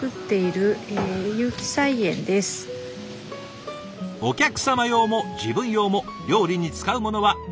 お客様用も自分用も料理に使うものはほとんどここから。